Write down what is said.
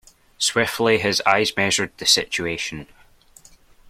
Swiftly his eyes measured the situation.